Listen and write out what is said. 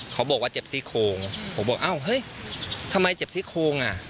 เขาบอกว่าเจ็บซี่โคงผมบอกอ้าวเฮ้ยทำไมเจ็บซี่โครงอ่ะ